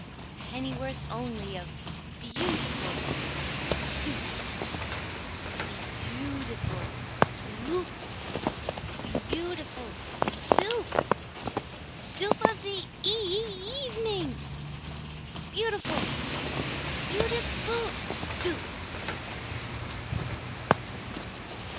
Pennyworth only of beautiful Soup? Beau ootiful Soo oop! Beau ootiful Soo oop! Soo oop of the e e evening, Beautiful, beauti FUL SOUP!